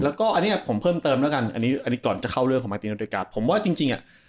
แล้วก็อันเนี้ยผมเพิ่มเติมแล้วกันอันนี้อันนี้ก่อนจะเข้าเรื่องของมาตินเดริกาผมว่าจริงจริงอ่ะ